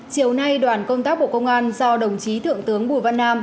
chiều nay đoàn công tác bộ công an do đồng chí thượng tướng bùi văn nam